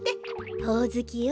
ほおずきよ。